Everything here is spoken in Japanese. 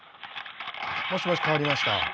もしもし代わりました。